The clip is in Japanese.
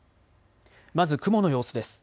まず雲の様子です。